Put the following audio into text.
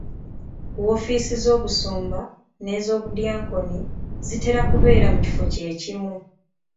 Woofiisi z'obusumba n'ez'obudyankoni zitera zitera kubeera mu kifo kye kimu.